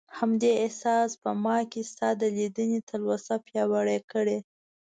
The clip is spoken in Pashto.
همدې احساس په ما کې ستا د لیدنې تلوسه پیاوړې کړه.